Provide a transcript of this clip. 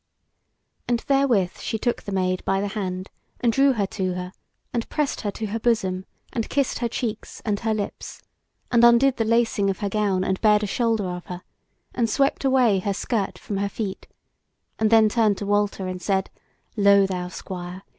And therewith she took the Maid by the hand and drew her to her, and pressed her to her bosom, and kissed her cheeks and her lips, and undid the lacing of her gown and bared a shoulder of her, and swept away her skirt from her feet; and then turned to Walter and said: "Lo thou, Squire!